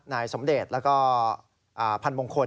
นายสมเดชแล้วก็พันมงคล